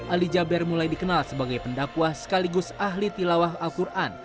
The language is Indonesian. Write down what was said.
ali jaber mulai dikenal sebagai pendakwah sekaligus ahli tilawah al quran